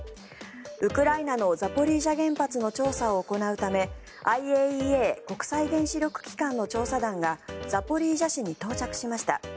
ウクライナのザポリージャ原発の調査を行うためＩＡＥＡ・国際原子力機関の調査団がザポリージャ市に到着しました。